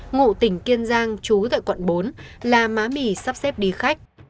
ngụ tỉnh kiên giang chú tại quận bốn là má mì sắp xếp đi khách